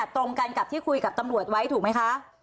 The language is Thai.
ตรงกันกับที่คุยกับตำรวจไว้ถูกไหมคะ